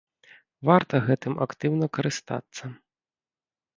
Варта гэтым актыўна карыстацца.